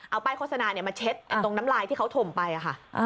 เอาป้ายโฆษณามาเช็ดตรงน้ำลายที่เขาถมไปค่ะ